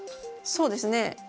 そうですね。